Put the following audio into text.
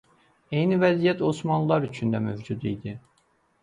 Eyni vəziyyət Osmanlılar üçün də mövcud idi.